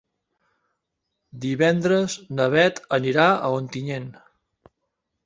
Divendres na Beth anirà a Ontinyent.